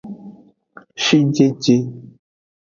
Shijeje.